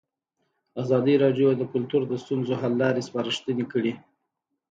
ازادي راډیو د کلتور د ستونزو حل لارې سپارښتنې کړي.